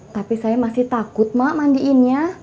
tapi saya masih takut mak mandiinnya